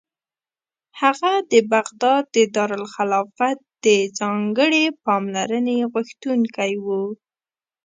هغه د بغداد د دارالخلافت د ځانګړې پاملرنې غوښتونکی و.